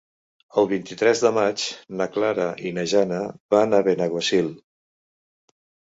El vint-i-tres de maig na Clara i na Jana van a Benaguasil.